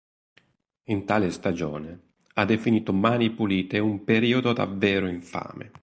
In tale stagione ha definito Mani Pulite "un periodo davvero infame".